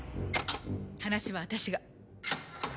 「話は私が」